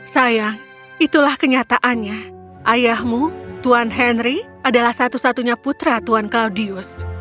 sayang itulah kenyataannya ayahmu tuan henry adalah satu satunya putra tuan claudius